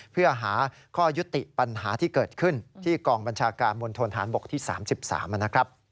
เพื่อหาข้อยุติปัญหาที่เกิดขึ้นที่กองบัญชาการมณฑนฐานบกที่๓๓นะครับ